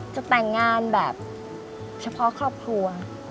จะแต่งงานแบบเฉพาะครอบครัว